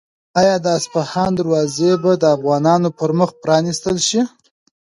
آیا د اصفهان دروازې به د افغانانو پر مخ پرانیستل شي؟